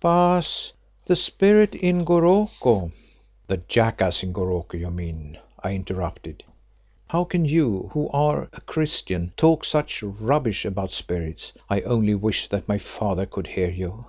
"Baas, the Spirit in Goroko——" "The jackass in Goroko, you mean," I interrupted. "How can you, who are a Christian, talk such rubbish about spirits? I only wish that my father could hear you."